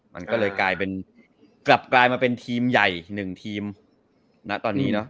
มันก็เลยกลายเป็นกลับกลายมาเป็นทีมใหญ่หนึ่งทีมณตอนนี้เนอะ